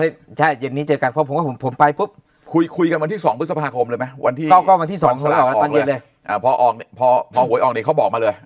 โทรคุยว่าที่๒พฤษภาคมเลยไหมวันที่ที่ตอนเย็นเลยเขาบอกมาเลย